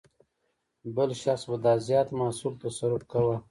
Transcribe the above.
بل شخص به دا زیات محصول تصرف کاوه.